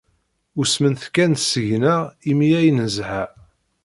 Usment kan seg-neɣ imi ay nezha.